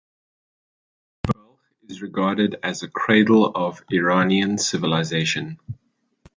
Balch is regarded as a cradle of Iranian civilization.